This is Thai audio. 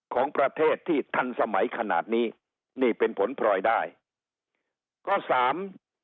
ของประเทศที่ทันสมัยขนาดนี้นี่เป็นผลพลอยได้ก็สาม